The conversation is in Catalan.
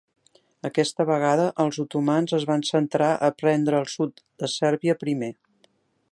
Aquesta vegada els otomans es van centrar a prendre el sud de Sèrbia primer.